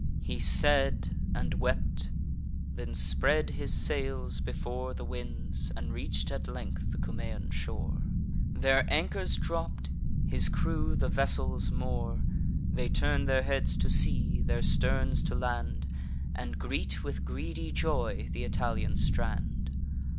He said, and wept; then spread his sails before The winds, and reach'd at length the Cumaean shore: Their anchors dropp'd, his crew the vessels moor. They turn their heads to sea, their sterns to land, And greet with greedy joy th' Italian strand.